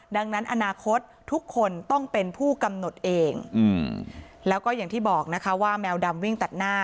ดังนั้นอนาคตทุกคนต้องเป็นผู้กำหนดเองแล้วก็อย่างที่บอกนะคะว่าแมวดำวิ่งตัดหน้า